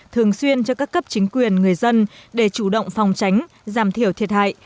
thường xuyên cho các cấp chính quyền người dân để chủ động phòng tránh giảm thiểu thiệt hại